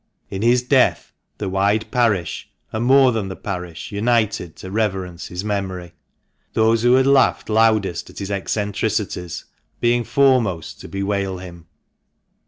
In his death the wide parish, and more than the parish, united to reverence his memory, those who had laughed loudest at his eccentricities being foremost to bewail him, 384 THB MANCHESTER MAN.